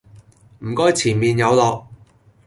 唔該前面有落